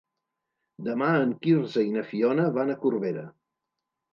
Demà en Quirze i na Fiona van a Corbera.